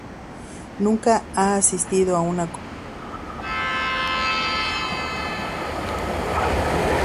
Nunca ha asistido a una Copa Mundial de Fútbol ni a la Copa Asiática.